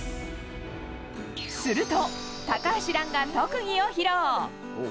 すると、高橋藍が特技を披露。